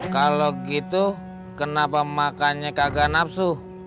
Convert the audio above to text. kalau gitu kenapa makannya kagak nafsu